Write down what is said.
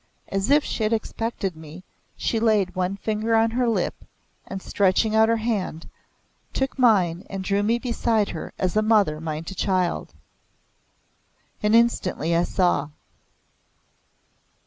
As if she had expected me, she laid one finger on her lip, and stretching out her hand, took mine and drew me beside her as a mother might a child. And instantly I saw!